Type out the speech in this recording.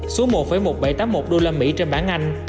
xuống một một nghìn bảy trăm tám mươi một usd trên bảng anh